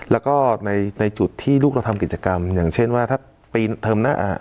แล้วก็ในจุดที่ลูกเราทำกิจกรรมอย่างเช่นว่าถ้าปีนเทอมหน้าอ่า